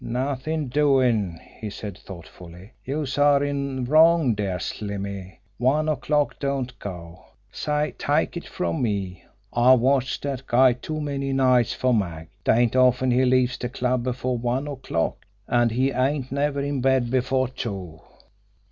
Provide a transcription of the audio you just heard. "Nothin' doin'!" he said thoughtfully. "Youse are in wrong dere, Slimmy. One o'clock don't go! Say, take it from me, I've watched dat guy too many nights fer Mag. 'Tain't often he leaves de club before one o'clock an' he ain't never in bed before two."